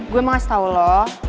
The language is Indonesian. gue mau kasih tau lo